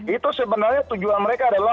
itu sebenarnya tujuan mereka adalah